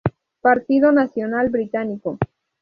Partido Nacional Británico